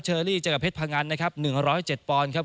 เชอรี่เจอกับเพชรพะงันนะครับหนึ่งร้อยเจ็ดปอนด์ครับ